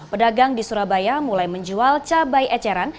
pedagang di surabaya mulai menjual cabai eceran